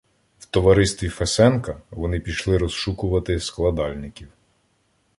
В товаристві Фесенка вони пішли розшукувати складальників.